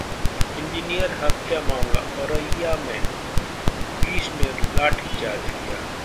engineer हत्या मामला: औरैया में पुलिस ने लाठीचार्ज किया